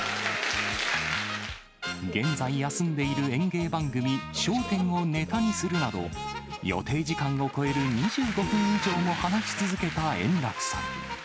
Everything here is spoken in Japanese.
現在、休んでいる演芸番組、笑点をネタにするなど、予定時間を超える２５分以上も話し続けた円楽さん。